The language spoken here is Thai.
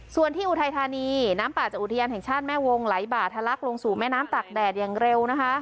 ส่วนที่อุทัยธานีน้ำป่าจากอุทยานแห่งชาติแม่วงไหลบ่าทะลักลงสู่แม่น้ำตากแดดอย่างเร็วนะคะ